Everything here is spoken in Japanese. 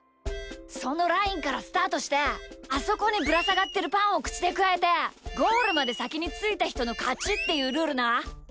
そのラインからスタートしてあそこにぶらさがってるパンをくちでくわえてゴールまでさきについたひとのかちっていうルールな！